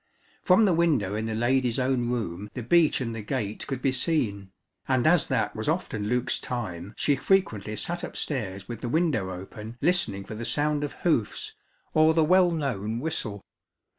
From the window in the lady's own room the beech and the gate could be seen, and as that was often Luke's time she frequently sat upstairs with the window open listening for the sound of hoofs, or the well known whistle.